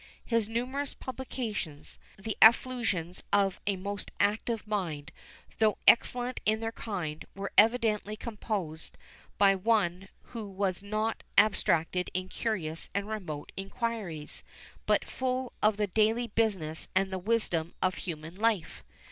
His numerous publications, the effusions of a most active mind, though excellent in their kind, were evidently composed by one who was not abstracted in curious and remote inquiries, but full of the daily business and the wisdom of human life.